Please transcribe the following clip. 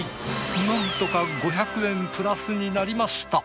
なんとか５００円プラスになりました。